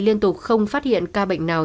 liên tục không phát hiện ca bệnh nào